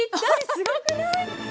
すごくない？